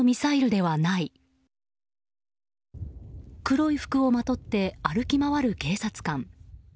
黒い服をまとって歩き回る警察官。